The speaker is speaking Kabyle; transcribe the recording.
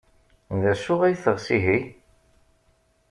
D acu ay teɣs ihi?